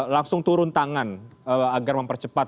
langsung turun tangan agar mempercepat